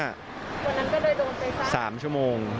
วันนั้นก็โดนไปจาก๓ชั่วโมง